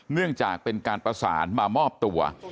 เนื่องจากเป็นการประสานมามอบตัว